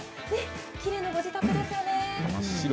きれいなご自宅ですね。